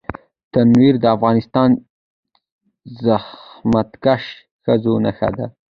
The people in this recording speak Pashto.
تنور د افغان زحمتکښ ښځو نښه ده